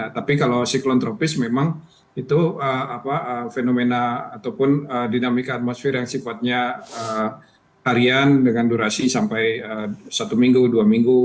tapi kalau siklon tropis memang itu fenomena ataupun dinamika atmosfer yang sifatnya harian dengan durasi sampai satu minggu dua minggu